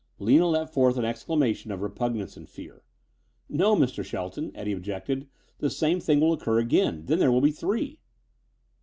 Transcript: Lina let forth an exclamation of repugnance and fear. "No, Mr. Shelton," Eddie objected. "The same thing will occur again. Then there will be three."